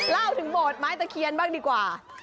เล่าถึงโหมดไม้ตะเคียนบ้างดีกว่า